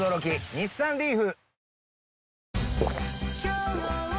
日産リーフ！